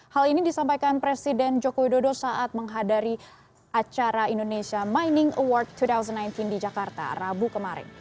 hal ini disampaikan presiden joko widodo saat menghadiri acara indonesia mining award dua ribu sembilan belas di jakarta rabu kemarin